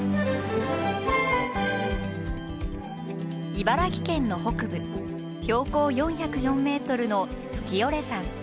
茨城県の北部標高４０４ｍの月居山。